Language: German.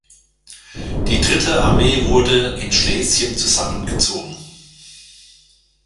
Die dritte Armee wurde in Schlesien zusammengezogen.